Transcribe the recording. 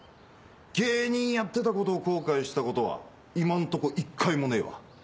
芸人やってたことを後悔したことは今んとこ一回もねえわ。